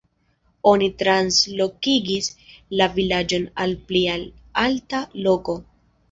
Oni translokigis la vilaĝon al pli al alta loko.